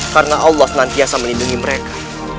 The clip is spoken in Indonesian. karena allah senantiasa melindungi mereka